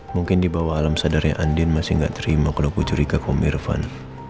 mungkin di bawah alam sadarnya andien masih gak terima kalau gue curiga ke om irvan